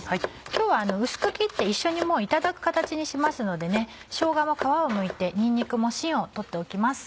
今日は薄く切って一緒にいただく形にしますのでしょうがも皮をむいてにんにくも芯を取っておきます。